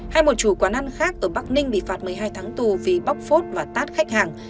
hay một chủ quán ăn khác ở bắc ninh bị phạt một mươi hai tháng tù vì bóc phốt và tát khách hàng